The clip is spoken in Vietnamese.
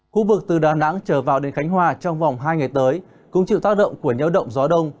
khu vực từ đà nẵng trở vào đến khánh hòa trong vòng hai ngày tới cũng chịu tác động của nhiễu động gió đông